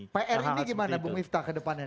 pr ini gimana bu miftah ke depannya